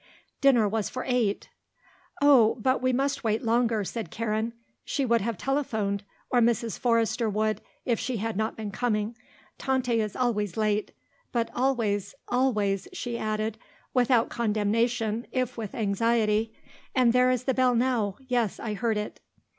Dinner was for eight. "Oh, but we must wait longer," said Karen. "She would have telephoned or Mrs. Forrester would if she had not been coming. Tante is always late; but always, always," she added, without condemnation if with anxiety. "And there is the bell now. Yes, I heard it."